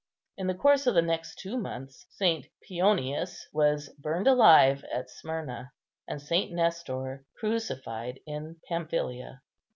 In the course of the next two months St. Pionius was burned alive at Smyrna, and St. Nestor crucified in Pamphylia.